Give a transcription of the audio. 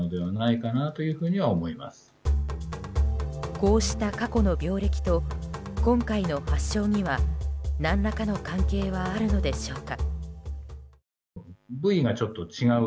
こうした過去の病歴と今回の発症には何らかの関係はあるのでしょうか。